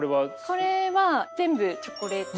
これは全部チョコレート。